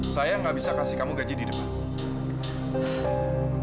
saya nggak bisa kasih kamu gaji di depan